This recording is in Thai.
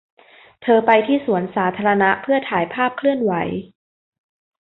เธอไปที่สวนสาธารณะเพื่อถ่ายภาพเคลื่อนไหว